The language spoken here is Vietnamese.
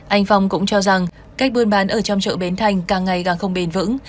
anh phong cũng cho rằng cách buôn bán ở trong chợ bến thành càng ngày càng không bền vững